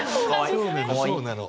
そうなのそうなの。